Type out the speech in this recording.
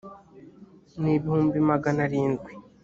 n ibihumbi magana arindwi